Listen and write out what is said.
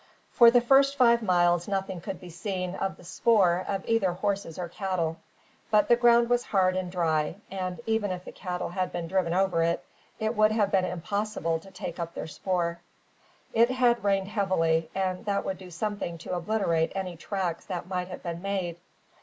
For the first five miles nothing could be seen of the spoor of either horses or cattle. But the ground was hard and dry, and, even if cattle had been driven over it, it would have been impossible to take up their spoor. It had rained heavily, and that would do something to obliterate any tracks that might have been made.